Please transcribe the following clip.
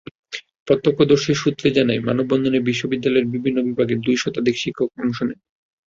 প্রত্যক্ষদর্শী সূত্রে জানা যায়, মানববন্ধনে বিশ্ববিদ্যালয়ের বিভিন্ন বিভাগের দুই শতাধিক শিক্ষক অংশ নেন।